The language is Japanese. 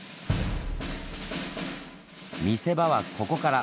見せ場はここから！